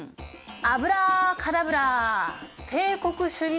アブラカダブラ帝国主義